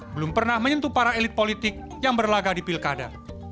belum pernah menyentuh para elit politik yang berlaga di pilkada